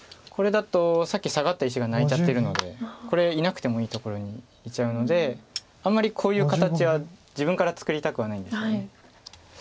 これだとさっきサガった石が泣いちゃってるのでこれいなくてもいいところにいちゃうのであんまりこういう形は自分から作りたくはないんですよね。